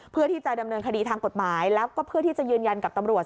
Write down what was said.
เพื่อที่จะดำเนินคดีทางกฎหมายแล้วก็เพื่อที่จะยืนยันกับตำรวจ